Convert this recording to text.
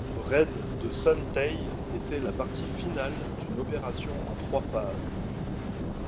Le raid de Son Tay était la partie finale d'une opération en trois phases.